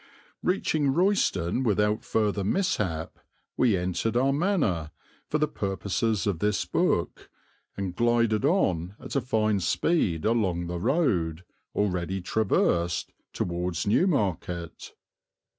Reaching Royston without further mishap we entered our manor, for the purposes of this book, and glided on at a fine speed along the road, already traversed, towards Newmarket.